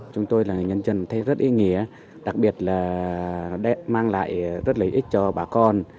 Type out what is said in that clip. chúng tôi là người nhân dân thấy rất ý nghĩa đặc biệt là mang lại rất lợi ích cho bà con